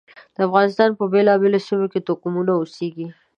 د افغانستان په بېلابېلو سیمو کې توکمونه اوسېږي.